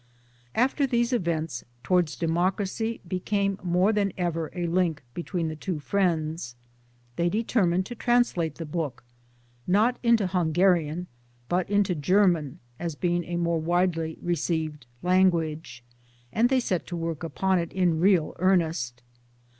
^ After these events Towards Democracy became more than ever a link between the two friends. They determined to translate the book not into Hungarian but into German (as being a more widely received language), and they set to work upon it in real earnest.